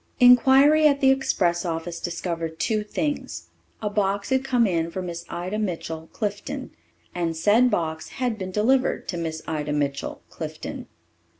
Inquiry at the express office discovered two things. A box had come in for Miss Ida Mitchell, Clifton; and said box had been delivered to Miss Ida Mitchell, Clifton.